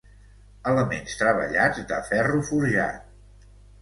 Elements treballats de ferro forjat.